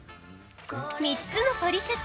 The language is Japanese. ３つのトリセツ